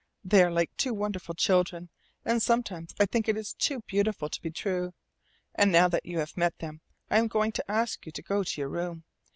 They are like two wonderful children, and sometimes I think it is too beautiful to be true. And now that you have met them I am going to ask you to go to your room.